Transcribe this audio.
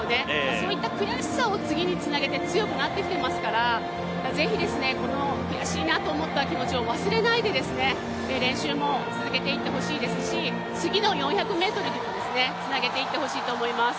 そういった悔しさを次につなげて強くなってきてますから、ぜひこの悔しいと思った気持ちを忘れないで練習も続けていってほしいですし次の４００ｍにもつなげていってほしいと思いますね。